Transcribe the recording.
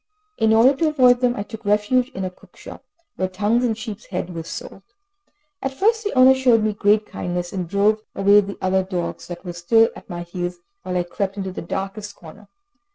In order to avoid them, I took refuge in a cookshop, where tongues and sheep's heads were sold. At first the owner showed me great kindness, and drove away the other dogs that were still at my heels, while I crept into the darkest corner.